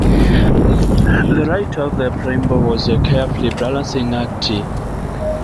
The writing of the Preamble was a careful balancing act.